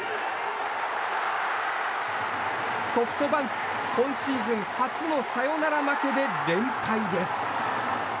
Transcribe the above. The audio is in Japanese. ソフトバンク今シーズン初のサヨナラ負けで連敗です。